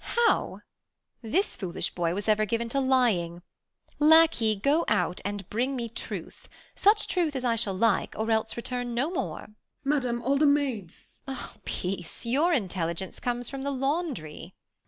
How 1 This foolish boy was ever given to lying Lacquey, go out, and bring me truth ; such truth As I shall like, or else return no more. 2. Page. Madam, all the maids Beat. Peace ! Your intelligence comes from the laundry.